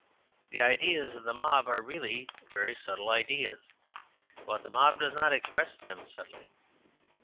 The ideas of the mob are really very subtle ideas; but the mob does not express them subtly.